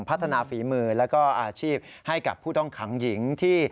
ฝีมือแล้วก็อาชีพให้กับผู้ต้องขังหญิงที่